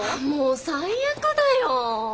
もう最悪だよ。